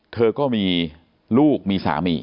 เธอก็มีลูกมีสามี